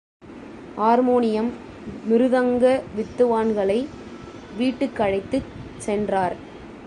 Harmonium, மிருதங்க வித்துவான்களை வீட்டுக்கழைத்துச் சென்றார்.